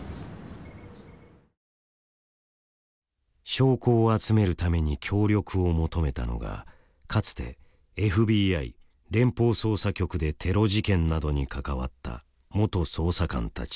証拠を集めるために協力を求めたのがかつてＦＢＩ連邦捜査局でテロ事件などに関わった元捜査官たち。